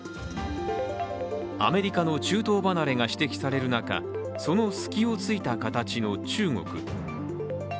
アメリカの中東離れが指摘される中、その隙をついた形の中国。